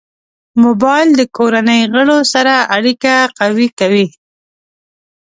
موبایل د کورنۍ غړو سره اړیکه قوي کوي.